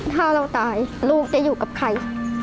ถ้าเราตายลูกจะอยู่กับใคร